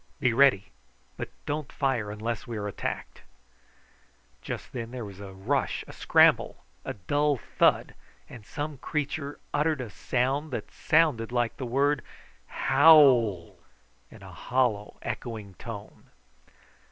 "Pst! be ready; but don't fire unless we are attacked." Just then there was a rush, a scramble, a dull thud, and some creature uttered a sound that seemed like the word Howl in a hollow echoing tone.